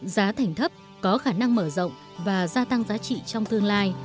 giá thành thấp có khả năng mở rộng và gia tăng giá trị trong tương lai